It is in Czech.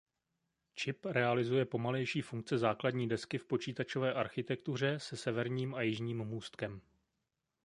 Čip realizuje pomalejší funkce základní desky v počítačové architektuře se severním a jižním můstkem.